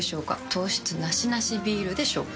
糖質ナシナシビールでしょうか？